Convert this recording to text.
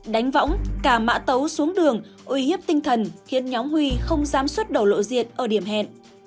đánh võng cả mã tấu xuống đường uy hiếp tinh thần khiến nhóm huy không giám xuất đầu lộ diện ở điểm hẹn